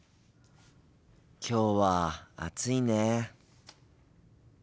きょうは暑いね。